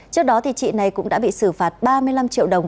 trước đó chị này cũng đã bị xử phạt ba mươi năm triệu đồng